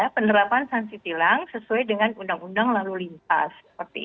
penerapan sanksi tilang sesuai dengan undang undang lalu lintas